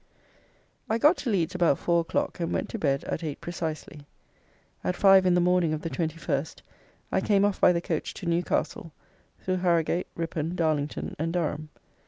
I got to Leeds about four o'clock, and went to bed at eight precisely. At five in the morning of the 21st, I came off by the coach to Newcastle, through Harrowgate, Ripon, Darlington, and Durham.